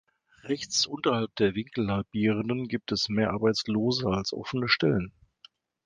Rechts unterhalb der Winkelhalbierenden gibt es mehr Arbeitslose als offene Stellen.